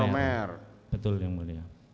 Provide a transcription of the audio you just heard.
romer betul yang mulia